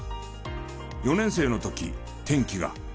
４年生の時転機が。